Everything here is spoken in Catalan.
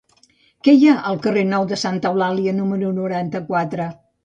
Què hi ha al carrer Nou de Santa Eulàlia número noranta-quatre?